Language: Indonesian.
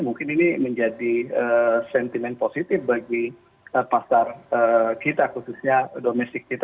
mungkin ini menjadi sentimen positif bagi pasar kita khususnya domestik kita